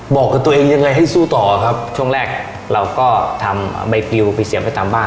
บอกกันตัวเองยังไงให้สู้ต่ออะครับช่วงแรกเราก็ทำใบปริเศษไปตามบ้าน